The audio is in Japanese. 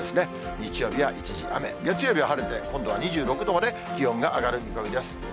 日曜日は一時雨、月曜日は晴れて、今度は２６度まで気温が上がる見込みです。